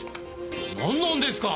なんなんですか！？